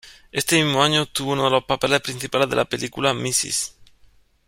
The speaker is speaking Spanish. Ese mismo año obtuvo uno de los papeles principales de la película "Mrs.